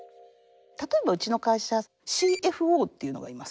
例えばうちの会社ＣＦＯっていうのがいます。